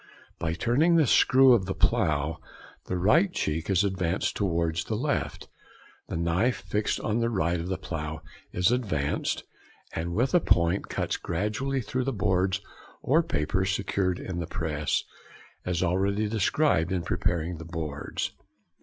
By turning the screw of the plough the right cheek is advanced towards the left; the knife fixed on the right of the plough is advanced, and with the point cuts gradually through the boards or paper secured in the press, as already described in preparing the boards.